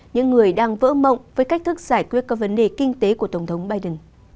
những người đang vỡ mộng với cách thức giải quyết các vấn đề kinh tế của tổng thống biden